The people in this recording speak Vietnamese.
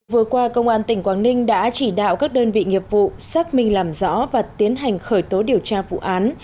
vừa qua công an tỉnh quảng ninh đã chỉ đạo các đơn vị nghiệp vụ xác minh làm rõ và tiến hành khởi tố điều tra vụ án